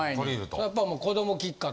やっぱ子どもきっかけ？